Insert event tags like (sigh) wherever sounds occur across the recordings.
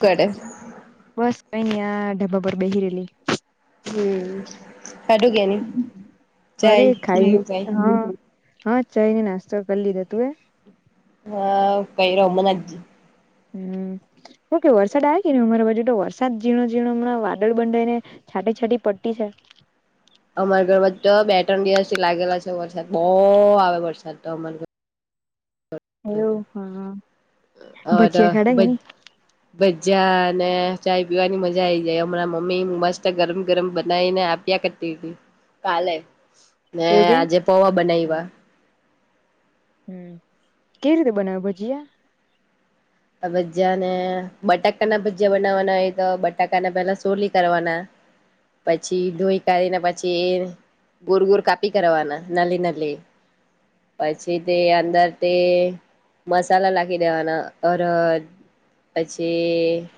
કડે બસ કઈ ન આ ઢબા પર બેહી રલી હમ કડું કે ન અરે જાય ખાઈ કેવું કાઈ હા હા ચઈ ની નાસ્તો કરી લીધો તું એ હા કઈ રોમનજ હમ ઓકે વરસાદ આવે કે ને અમારા બાજુ તો વરસાદ ઝીણોઝણો હમણાંદળ બંડાય ને છાટી છાટી પટ્ટી છે અમાર ઘર વ તો બે ત્રણ દિવસ થી લાગેલા છે વરસાદ બહુ આવે વરસાદ તો અરર એવું હા અટ ભજીયા ખાડા વ કે ની બજ ને ચાય પીવાની મજા આ આવી જાય હમણાં મમ્મી મસ્ત ગરમ ગરમ બનાવીને આપ્યા કરતી હતી કાલે ને એવું કે આજે પોવા હા બનાવવા હમ કેવી રીતે બનાવે ભજીયા આ ભજા ને બટાકાના ભજયા બનાવવાના હોય તો બટાકાને પેલા સોલી કરવાના પછી દોઈ કાઢીને પછી ગોર ગોર કાપી કરવાવાના નલી નલી પછી તે અંદર તે મસાલા લખી દેવાના ઓ પછી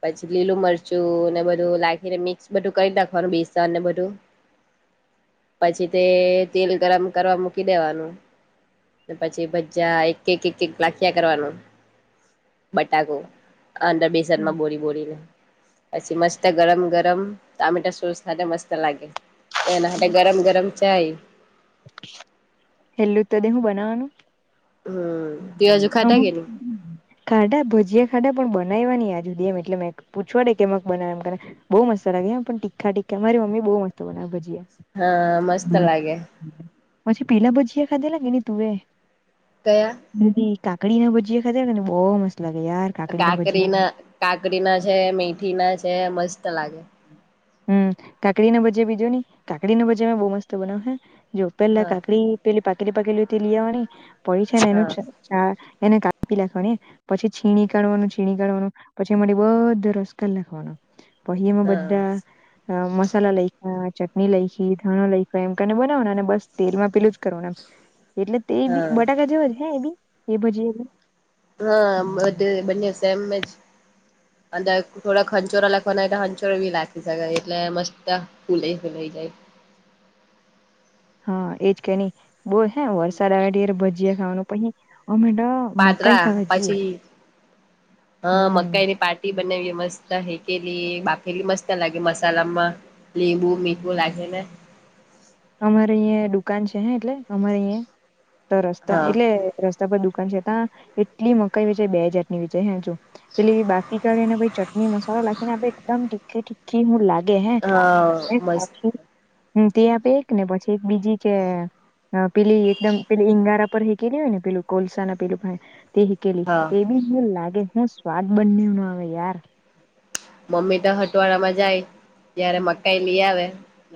પછી લીલું મરચું ને બધું લખીને મિક્સ બધું કરી નાખવાનું બેસણ ને બધું (inaudible) પછી તે તેલ ગરમ કરવા મૂકી દેવાનું પછી ભજા એક એક એક એક લાખ્યા કરવાનું બટાકો અંદર હમ બેસનમાં બોળ બોરીને પછી મસ્ત ગરમ ગરમ તમેટા સોસ થ મસ્ત લાગે તો એના માટે ગરમ ગરમ ચાય એટલું ત દ હું બનાવાનું હમ. તે હજુ ખાધા કે ની? ખાડા ભજીયા ખાડા પણ બને બનાવા ની આ જુદી એમ એટલે મે પૂછવાે કે મ બનાવ એમ બુ મસ્ત લાગે એમ પણ તીખા ટીા મારી મમ્મી બહુ મસ્ત બના ભજીએ હા મસ્ત લાગે પછી પીલા ભજીયા ખાધેલા કેે તું એ દ કાકડી ના ભજીયા ખા ને બહુ મસ્ત લાગે યાર કાકડી ભજીયા ના કાકડી ના છે મીઠી ના છે મસ્ત લાગે હમ કાકડી ના ભજે બીજો નહી કાકડી ન ભજે મે બઉુ મસ્ત બનાવ હે જો પેલા હા કા પેલી પાકેલી પાકેલી તે લ આવવાની પડી છે ને એનું હા ચા એને કાપી નાખવાની પછી છીણી કાઢવાનું છીણી કાઢવાનું પછી મારી બધ રસગ લખવાનો પહિયામાં હા. બધા મસાલા લઈતા ચટણી લઈખી ધાણ લખ એમને બનાવ અને બસ તેલમાં પેલું કર એમ એટલે તે બી હા બટાકા જેવો જ હે એ બી એ બજીી હા બધું બનેશે એમ જ (inaudible) અંદર થોડાક ખંચોરા લખવાના તો ખંચોરા બી લખી શકાય એટલે મસ્ત ફૂલે લઈ જાય (inaudible) હા એજ કે નહી બો હે વરસાદ આવે ઢેર ભજીયા ખાવાનું પહી પાટરા પછી હ હમ મકાઈ ની પાટી બને મસ્ત હે કેલી બાફેલી મસ્ત લાગે મસાલામાં લીંબુ મીઠું લાગે ને અમારે અહીં દુકાન છે હે એટલે અમારે અહીં તો રસ્તા હા એટલે રસ્તા પર દુકાન છે કા એટલી મકાઈ વેચે બેહ જાતની વેચે હે જો પેલી બાકી કરી ને ભઈ ચટણી મસાલા નાખીને આપે એકદમ તીખી તીખી મુ હું લાગે કે હે હે હા મસ્ત આપી તે આપે એક ને પછી એક બીજી કે ના પેલી એકદમ પેલી ઈંગારા પર હેકેલી હોય ને પેલું કોલસા ના પેલું ભાઈ તે હકેલી હા. એ બી હું લાગે હું સ્વાદ બન્યું નો આવે યાર મમ્મી તો હટવાડા માં જાય જય્યારે મકાઈ લઈ આવે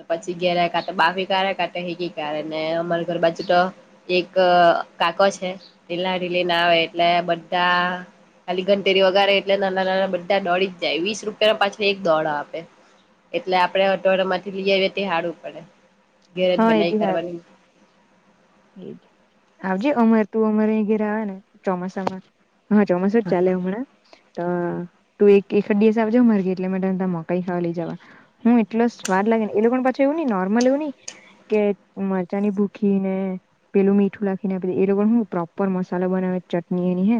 પછી ઘેરાય કા તો બાફી કાટે કે કા હેગી કે ને અમારી ઘર બાજુ તો એક અ કાકો છે હીલા ઢીલી ના આવે એટલે બધા ખાલી ઘંટેેરી વગાડે એટલે નાના નાના બધા દોડી જ જાય વીસ રૂપિયા ના પાછો એક દોડા આપે એટલે આપડે અટળ માંથી લઈ આવીએ તે હારુ પડે ઘેર જ હા એ બિ બનાવી હારુ કરવાની આવજે અમર તું અમારે અહી ઘરે આવે ને ચોમાસામાં હા ચોમાસુ જ ચાલે હમણાં તો તું એક એકદ દિવસજ મારા ઘરે મારા દાદા મકાઈ ખાવા લઈ જવાના હું એટલો સ્વાદ લઈ એ લોકો ને પાછું એવું ની નોર્મલ એવુંની કે મરચા ની ભૂખી ને પેલું મીઠું રાખીને એ લોકો હું પ્રોપર મસાલા બનાવે ચટણી એની હે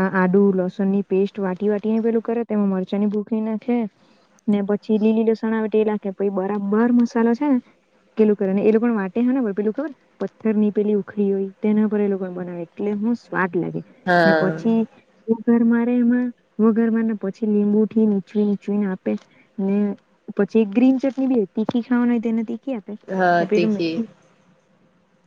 આડુ લસણ ની પેસ્ટ વાટી વાટી પેલું કરે તેમાં મરચાની ભૂખી ભૂખી નાખે ને પછી લીલી લસણવાટી એ નાખે પછી બરાબર મસાલો છે ને પેલું કરે ને એ લોકો વાટે હ ને પેલું ખબર પથ્થર ની પેલી ઉખડી હોય તેના પર એ લોકો બનાવે એટલે હૂ સ્વાદ લાગે ને હા પછી ઘર મારે એમાં વઘાર વાના ને પછી લીંબુ થી નીચવીને નીચવીને આપે ને જે ગ્રીન ચટણી બી હોય તીખી ખાવાની હોય તેને તીખી આપે હા ને પેલું તીખી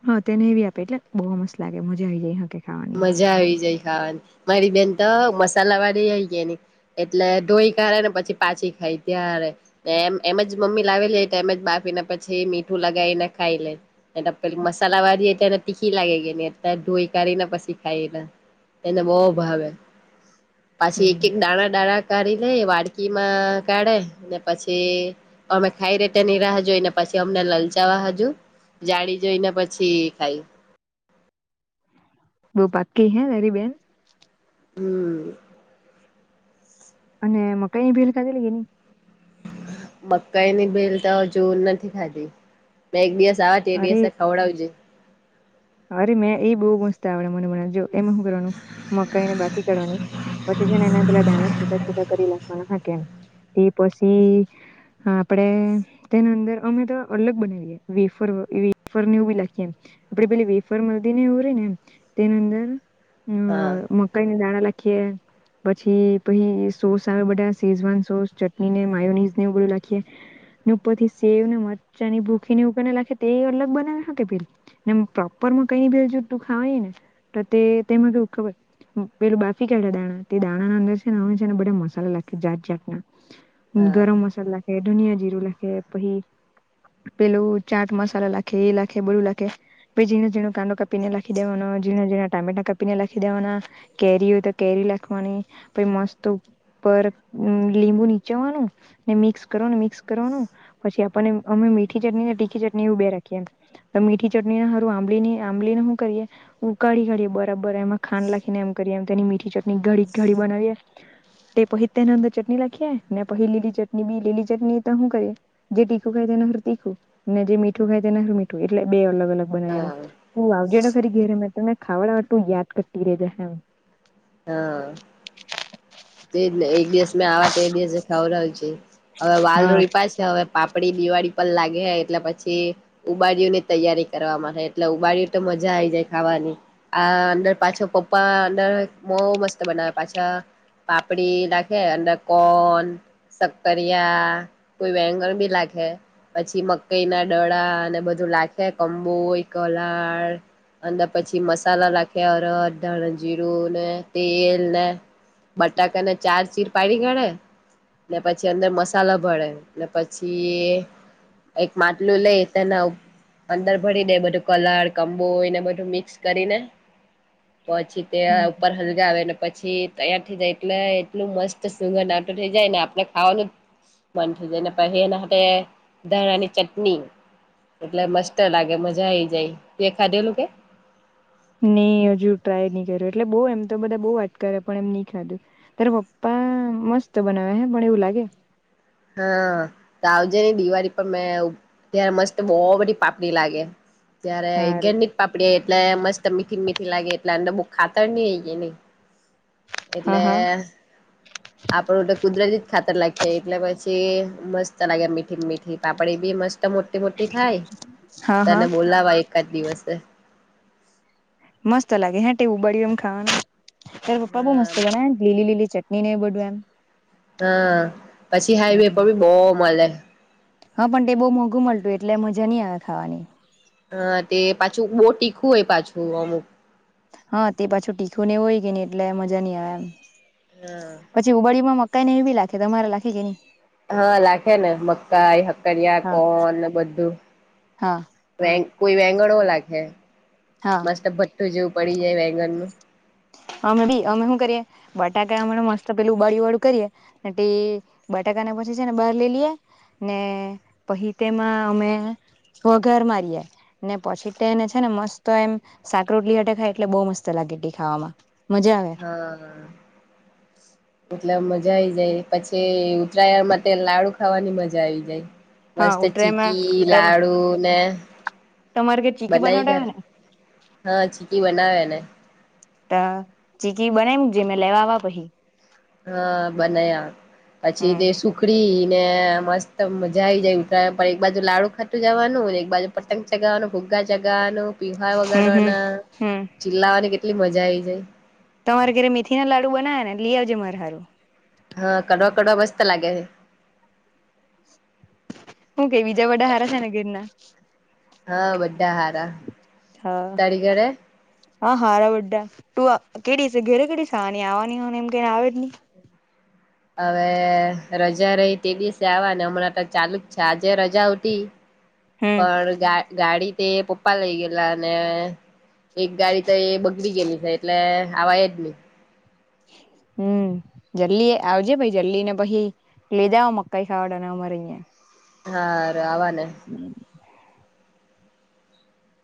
હા તેને એવી આપે એટલે બહુ મસ્ત લાગે મજા આવી જાય હકે ખાવાની મજા આવી જાય ખાવાની મારી બેન તો મસ્ત મસાલા વાડી આઈ ગેની એટલે ઢોઈ કાઢે ને પછી પાછી ખાય ત્યારે એમ એમ જ મમ્મી લાવી લે એમ જ બાફીને પછી મીઠું લગાવી ને ખાઈ લેને પેલી મસાલા વાળીએે તને તીખી લાગે કેને ત ધોઈ કાઢે ના પછી શીખાયલા એને બહુ ભાવે પાછી એક હમ એક દાણા દાણા કરી લેએ વાડકીમાં કાઢે ને પછી અમે ખાઈ રેતેની રાહ જોઈને પછી અમને લલચાવા હાજુ જાણી જોઈને પછી ખાઈ બહુ પાક્કી હે મારી બેન હમ અને મકાઈની ભેલ ખાધેલી કે ની મકાઈ ની ભેલ તો હજુ નથી ખાધી મે એક દિવસ જાવા તે અરે દિવસે ખવડાવજે અરે મેં એ બહુ મસ્ત આવડે મને મને જો એમાં શું કરવાનું મકાઈ ને બાફી કાઢવાની પછી જે એના પેલા દાણાં છુટા કરી નાખવા હા કે તે પછી હા આપડે તેના અંદર અમે તો અલગ બનાવીએ વેફર વગર વેફર ને એવું બી નાખીએ આપે પેલી વેફર મદી ને એવૂ નેમ તેની અંદર હા અ મકાઈને દાણા લઈ કે પછી પછી સોસ આવે બધા શેઝવાન સોસ ચટણી ને માયોનીઝ ને એવું બધું નાખીને ને ઉપરથી સેવ ને મરચાંની ભૂખી નીઉપરના નાખે તે અલગ બનાવે હા‌ પેલું એમ પ્રોપર કઈની બીજું જો તું ખાવા ની ને તે તેમાં કુ ખબર પેલું બાફી કાઢા દાણાં તે દાણા ના અંદર છે ને હવે છેને બધા મસાલા લખે જાત જાતના હ હા ગરમ મસાલાે લાખે ઘનિયા જીરું લાખે પછી પેલું ચાટ મસાલા લાખે એ લાખે બધું લાખે પછી ઝીણો ઝીણો કાંદો કાપીને લાખી દેવાનો ઝીણો ઝીણો ટામેટા કાપીને લાખી દેવાના કેરી હોય તો કેરી લાખવાની પછી મસ્ત પર લીંબુ નીચાવાનું ને મિક્સ કરવાનુ મિક્સ કરવાનું પછી આપણને અમે મીઠી ચટણી તીખી ચટણી એવું બે રાખીએ એમ તો મીઠી ચટણી ને હારું આંબલીની આંબલીને હું કરીએ ઉકાળી કાઢીએ બરાબર એમાં ખાંડ લા ખીને એમ કરીમ મીઠી ચટણી ઘડી ઘડી બનાવીએ તે પહી તેના અંદર ચટણી લાખીએ ને પહી લીલી ચટણી બી લીલી ચટણી તો હું કરીએ જે ટીખું ખાઈ એને એના હારું તીખું ને જે મીઠું ખાય તે એના હારું મીઠું એટલે બે અલગ અલગ બનાવી એમ હા તું આવજે તો ખરી ઘેર મેં તને ખવડાવવા તું યાદ કરતી રે જાહે હા તેજ ને એક દિવસ મેં આવા તે દિવસે ખવડાવજે હવે વાલ હા રોયપા છે હવે પા પાપડી તો દિવાળી પર લાગહે એટલે પછી ઉબાડ્યું ની તૈયારી કરવાવામાં હે એટલે ઉબાડ્યું તો મજા આવી જાય ખાવાની આ અંદર પાછો પપ્પા અંદર બો મસ્ત બનાવે પાછા પાપડી નાંખે અંડર કોન શક્કરિયા કોઈ વેંગણ બી લાખે પછી મકઈ ના ડડા અને બધું લાખે કોમ્બોઈ કલાર અંદર પછી મસાલા નાખે અરદ ધાણ જીરું ને તેલ ને બટાકાને ચાર ચીર પાડી કાડે ને પછી અંદર મસાલા ભળે ને પછી એક માટલું લે તેને ઉ અંદર ભરી દે બધું કલર કંબોય ને બધું મિક્સ કરીને પછી તાયે ઉપર હલગાવને પછી તયા થાઈ જાય એટલે એટલું મસ્ત સુુંગંઘ આવતું થાઈ જાય ને આપણે ખાવાનું જ મન થાઈ જાયને પહી એના હાથે ધાણાની ચટણી એટલે મસ્ત લાગે મજા આઈ જાય તે ખાધેલું કે ની હજુ ટ્રાય નહી કર્યો એટલે બો એમ તો બધા બો વાત કરે પણ એમ નહી ખાધું તારા પપ્પા હા મસ્ત બનાવે હે પણ એવું લાગે હા તો આવજે ને દિવાળી પર મેં ત ત્યારે મસ્ત બો બધી પાપડી લાગે ત્યારે ઘેરની જ પાપડી એટલે મસ્ત મીઠી મીઠ લાગે એટલે અંદર બો ખાતર ની (unintelligible) ને એટલે હા હા આપડું તો કુદરતી જ ખાતર લાખીએ એટલે પછી કે મસ્ત લાગે મીઠી મીઠી પાપડી બી મસ્ત મોટી મોટી થાય હા તને હા બોલાવા એકાદ દિવસે મસ્ત લાગે હે તે ઉબળ્યું એમ ખાવાનું ત્યારે પપ્પા બો હા મસ્ત બનાવે ને લીલી લીલી ચટણી ને બધું એમ હા પછી હાઈવે પર બી બો મલે હા પણ તે બોહ મોંઘું મળતું એટલે મજા નહી આવે ખાવાની હ તે પાછું બો તીખું હોય પાછું અમુક હા તે પાછું તીખું ને હોય કે ને એટલે મજા ની આવે એમ હા પછી ઉબાડડીયુ મસ મકાઈને એ બી લાખે તમારા લાખે કે ની હા લાખે ને મકાઈ હકરિયા હા કોન બધું હા વ કોઈ વેંગણ હોય લાગે હે હા મસ્ત ભઠ્ઠું જેવું પડી જાય વેગન નું અમે ભી અમે શું કરીએ બટાકા અમના મસ્ત પેલું ઉબાળ્યું વાળું કરીએ અને તે બટા ટાને પછી છે ને બહાર લઈ લિયે ને પહી તેમાં અમે વઘાર મારીયે ને પછી તેને છે ને મસ્ત એમ સાક રોટલી હાતે ખાય એટલે બો મસ્ત લાગે ગટી ખાવામાં મજા આવે હા એટલે મજા મજા આવીઈ જાય પછી ઉતરાયયા માટે લાડુ ખાવાની મજા આવી જાય હા મસ્ત ચીકી ઉતરાયણમાં લાડુ ને તમારે ઘેર ચીકી બનાવી બનાવતા કર હે ને હા ચીકી બનાવેને ત ચીકી બનામ જે લેવાવા પછી હા બના્યા પછી તે હમ સુખડી મસ્ત મજા આ આવી જાય ઉતરાય પર એક બાજુ લાડુ ખાતું જવાનું ને એક બાજુ પતંગ ચગવાનું ભૂગ ગા જગા ન પીહવા હમ હમ વગાડવાના હમ ચિલ્લાવાની કેટલી મજા આવીઈ જાય તમારે ઘરે મેથી ના લાડુ બનાવે ને લઈ આવજે માર સારું હા કડવા કડવા મસ્ત લાગે છે હું કે બીજા બધા હારા છે ને ઘેરના હા બા હારા હા તળ ઘરે હા હારા બા તું કે ઘરે કેની આવવાની હોને એમ કને આવે જ નહી હવે રજા રહી તે દિવસે આવા ને હમણાં તો ચાલુ જ છે આજે રજા ઉતી હમ પણ ગા ગાડી તે પપ્પા લઈ ગયેલા ને એક ગાડી તો એ બગડી ગયેલી છે એટલે આવાય જ નહી હ હમ જલ્દી આવજે પછ જલ્દી ને પછી લઈ દે મકાઈ ખાડ અમારે અહં હા રવાને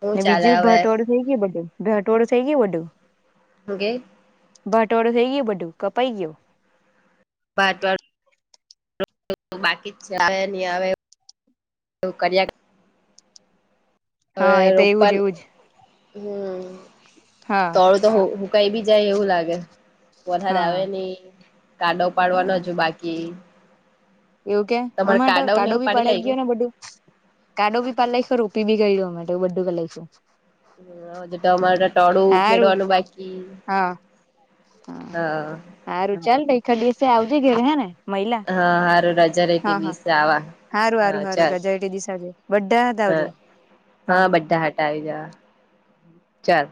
હું ચાલે બીજું હવે ભટવાડું થઇ ગયું બધું ભટવાડું થઇ ગયું બધું હ ગે બટવાડું થઇ ગયું બધું કપાઈ ગયું બાર બ બાકી જ છે આવે નહી આવે એવું કર્યા હા હવે એ તો એવું જ રોપન એવું જ હમ હા તળું તો હકાઈ બી જાય એવું લાગે વરસાાદ આવે હા નહ કાડો પાડવા હા ન જો બાકી એવું કે તમારે અમા તો કાડવ ને કાડો એવું બી પાડી પાડઈ લાગ ગયો ને બધું કાડો બી પાલાય ખરું પી બી કરી દેવા માટે એવું બધું ક લક છે જ તો અમારે ટળું હારું ખેડવાનું બાકી હા હા સારું ચાલ ર ખ દસે આવજે ગે હે ને મહિલા હા સારું રજા ર કે બીસે આવા સારું હા સારું સારું ચાલ રજા એટી દિશાજ બધા હતા હા આવજો હા બધા હટાવી જવા ચાલ